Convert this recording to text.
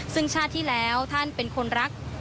ซึ่งชาติที่แล้วท่านเป็นคนรัก